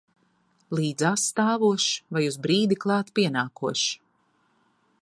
Līdzās stāvošs vai uz brīdi klāt pienākošs.